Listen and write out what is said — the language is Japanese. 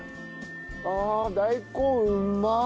ああ大根うまっ！